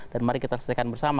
dan mari kita selesaikan bersama